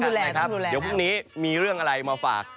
เดี๋ยวพรุ่งนี้มีเรื่องอะไรมาฝาก